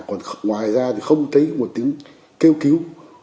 còn ngoài ra thì không thấy một tính kêu cứu